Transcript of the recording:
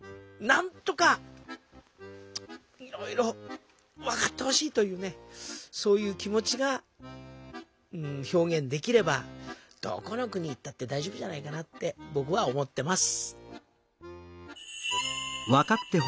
なんとかいろいろ分かってほしいというねそういう気持ちが表現できればどこの国行ったってだいじょうぶじゃないかなってぼくは思ってます！